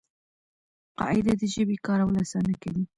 قاعده د ژبي کارول آسانه کوي.